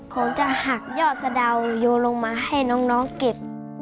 คงจะหักยอดสะดาวโยนลงมาให้น้องเก็บ